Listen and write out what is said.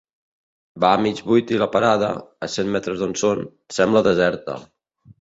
Va mig buit i la parada, a cent metres d'on són, sembla deserta.